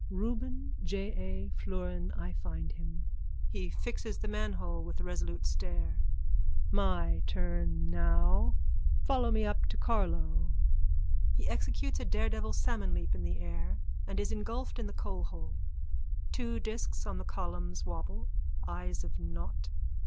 _ Reuben J. A florin I find him. (He fixes the manhole with a resolute stare.) My turn now on. Follow me up to Carlow. _(He executes a daredevil salmon leap in the air and is engulfed in the coalhole. Two discs on the columns wobble, eyes of nought.